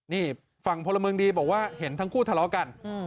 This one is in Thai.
นี่ฝั่งพลเมืองดีบอกว่าเห็นทั้งคู่ทะเลาะกัน